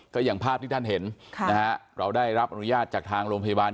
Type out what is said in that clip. ก็อย่างภาพที่ท่านเห็นนะฮะเราได้รับอนุญาตจากทางโรงพยาบาล